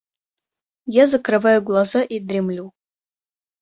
Я закрываю глаза и дремлю.